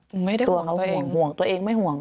หนูไม่ได้ห่วงตัวเองตัวเขาห่วงตัวเองไม่ห่วง